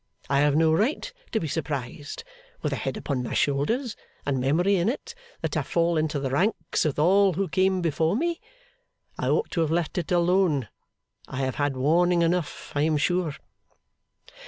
I have no right to be surprised, with a head upon my shoulders, and memory in it, that I fall into the ranks with all who came before me. I ought to have let it alone. I have had warning enough, I am sure.